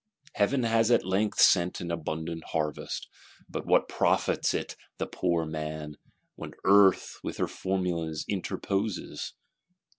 Heaven has at length sent an abundant harvest; but what profits it the poor man, when Earth with her formulas interposes?